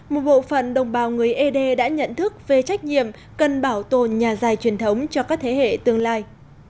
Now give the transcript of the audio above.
một bộ phận đồng bào người ế đê đã nhận thức về trách nhiệm cần bảo tồn nhà dài truyền thống cho các thế hệ tương lai